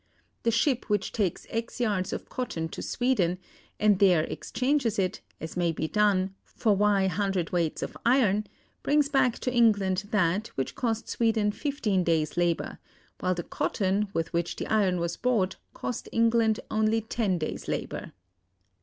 The ship which takes x yards of cotton to Sweden, and there exchanges it, as may be done, for y cwts. of iron, brings back to England that which cost Sweden fifteen days' labor, while the cotton with which the iron was bought cost England only ten days' labor.